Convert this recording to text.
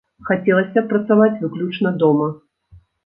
Хацелася б працаваць выключна дома.